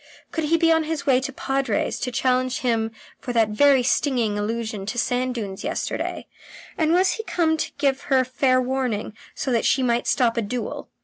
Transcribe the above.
Could he be on his way to the Padre's to challenge him for that very stinging allusion to sand dunes yesterday, and was he come to give her fair warning, so that she might stop a duel?